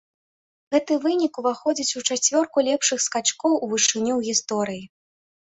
Гэты вынік уваходзіць у чацвёрку лепшых скачкоў у вышыню ў гісторыі.